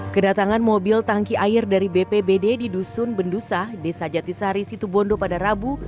kedatangan mobil tangki air dari bpbd di dusun bendusa desa jatisari situbondo pada rabu